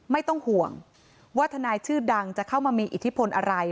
ไม่ต้องห่วงว่าทนายชื่อดังจะเข้ามามีอิทธิพลอะไร